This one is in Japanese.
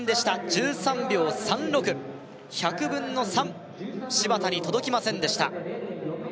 １３秒３６１００分の３芝田に届きませんでした